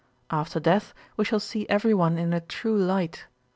After death, we shall see every one in a true light.